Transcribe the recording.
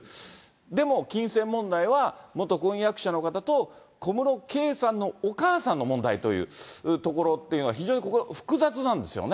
でも金銭問題は元婚約者の方と小室圭さんのお母さんの問題というところっていうのが非常にここ、複雑なんですよね。